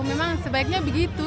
memang sebaiknya begitu